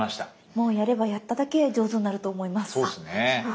もうやればやっただけ上手になると思います。